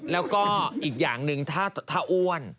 แล้วก็อีกอย่างหนึ่งถ้าอ้วน